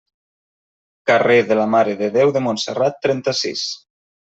Carrer de la Mare de Déu de Montserrat, trenta-sis.